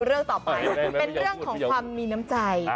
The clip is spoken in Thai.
เรื่องต่อไปเป็นเรื่องของความมีน้ำใจ